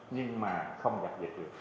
nhưng mà không gặp dịch được